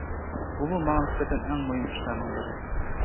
بۇمۇ ماڭا نىسبەتەن ئەڭ مۇھىم ئىشلارنىڭ بىرى.